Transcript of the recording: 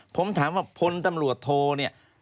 ผมถามว่าพลตำรวจโทเนี่ย